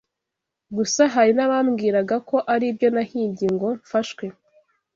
Gusa hari n’abambwiraga ko ari ibyo nahimbye ngo mfashwe